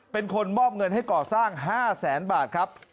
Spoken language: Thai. เป็นคนมอบเงินให้ก่อสร้าง๕แสนบาทครับ